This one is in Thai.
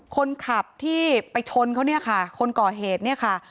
คนขับที่ไปชนเขาเนี่ยค่ะคนก่อเหตุเนี่ยค่ะ